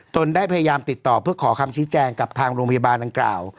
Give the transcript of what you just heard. ได้พยายามติดต่อเพื่อขอคำชี้แจงกับทางโรงพยาบาลดังกล่าว